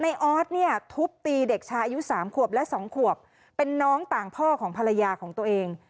ออสเนี่ยทุบตีเด็กชายอายุสามขวบและสองขวบเป็นน้องต่างพ่อของภรรยาของตัวเอง